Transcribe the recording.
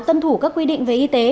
tân thủ các quy định về y tế